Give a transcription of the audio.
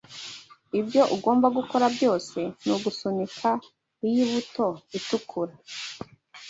Ibyo ugomba gukora byose ni ugusunika iyi buto itukura.